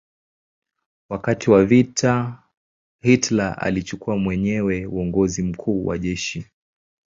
Wakati wa vita Hitler alichukua mwenyewe uongozi mkuu wa jeshi.